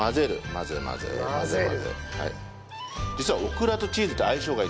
混ぜ混ぜ混ぜ混ぜ。